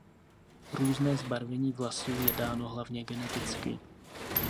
Různé zbarvení vlasů je dáno hlavně geneticky.